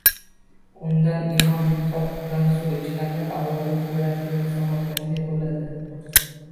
Undan imon-e'tiqod bilan suv ichganlar avlodi qudratli va salohiyatli bo'ladi